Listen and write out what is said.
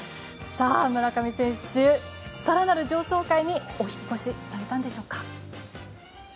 村上選手、更なる上層階にお引っ越しされたんでしょうか。